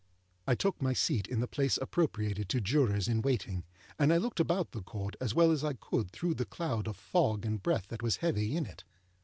I took my seat in the place appropriated to Jurors in waiting, and I looked about the Court as well as I could through the cloud of fog and breath that was heavy in it.